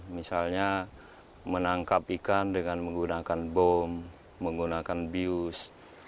misalnya menangkap ikan dengan menggunakan bom menggunakan bius